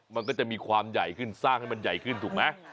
มันก็จะมีความใหญ่ขึ้นสร้างให้มันใหญ่ขึ้นถูกไหม